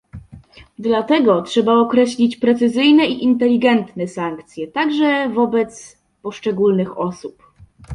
Dlatego trzeba określić precyzyjne i inteligentne sankcje, także wobec poszczególnych osób